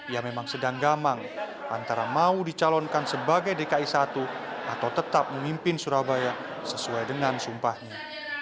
ia memang sedang gamang antara mau dicalonkan sebagai dki satu atau tetap memimpin surabaya sesuai dengan sumpahnya